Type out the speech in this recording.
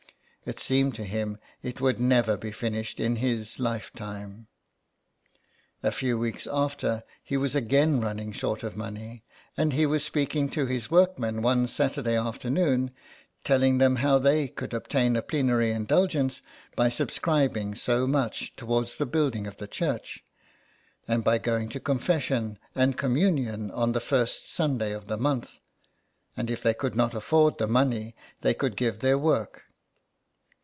It seemed to him it would never be finished in his lifetime. A few weeks after he was again running short of money, and 95 SOME PARISHIONERS. he was speaking to his workmen one Saturday after noon, telling them how they could obtain a plenary indulgence by subscribing so much towards the build ing of the church, and by going to Confession and Communion on the first Sunday of the month, and if they could not afford the money they could give their work.